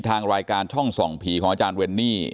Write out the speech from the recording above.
ทางรายการช่องส่องผีของอาจารย์เวนนี่